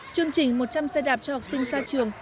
chương trình một trăm linh xe đạp cho học sinh xa trường